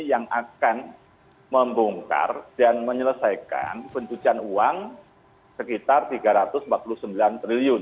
yang akan membongkar dan menyelesaikan pencucian uang sekitar rp tiga ratus empat puluh sembilan triliun